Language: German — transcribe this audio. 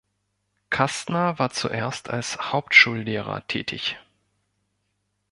Kastner war zuerst als Hauptschullehrer tätig.